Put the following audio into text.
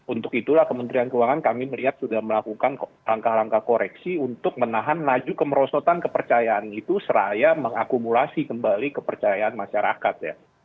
untuk itulah kementerian keuangan kami melihat sudah melakukan langkah langkah koreksi untuk menahan laju kemerosotan kepercayaan itu seraya mengakumulasi kembali kepercayaan masyarakat ya